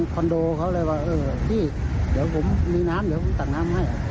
โดเขาเลยว่าเออพี่เดี๋ยวผมมีน้ำเดี๋ยวผมตักน้ำให้